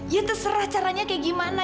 ya terserah caranya kayak gimana